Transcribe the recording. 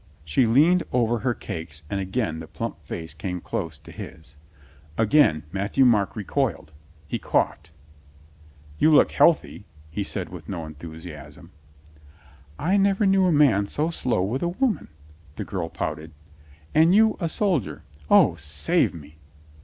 She leaned over her cakes and again the plump face came close to his. Again Matthieu Marc recoiled. He coughed. "You look healthy," he said with no enthusiasm. "I never knew a man so slow with a woman," the girl pouted. "And you a soldier! O, save me!"